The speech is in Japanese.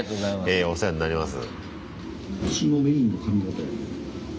ええお世話になります。